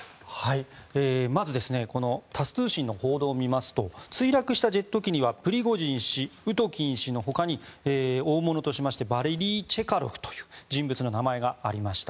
まず、タス通信の報道を見ますと墜落したジェット機にはプリゴジン氏ウトキン氏の他に大物としましてバレリー・チェカロフという人物の名前がありました。